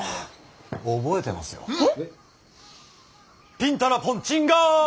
ピンタラポンチンガー。